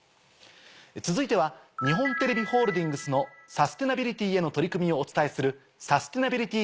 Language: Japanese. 続いては日本テレビホールディングスのサステナビリティへの取り組みをお伝えする。